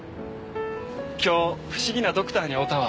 今日不思議なドクターに会うたわ。